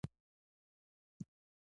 غسل کول بدن تازه کوي